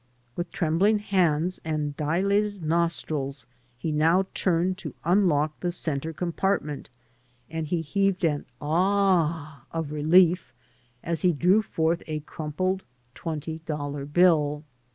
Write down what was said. With trembling hands and dilated nostrils he now turned to unlock the center compartment, and he 107 AN AMERICAN IN THE MAKING heaved an "Ah" of relief as he drew forth a crumpled twenty dollar bill.